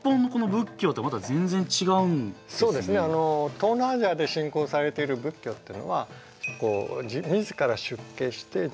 東南アジアで信仰されている仏教っていうのは自ら出家して修行してですね